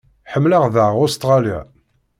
Ḥemmleɣ daɣ Ustṛalya.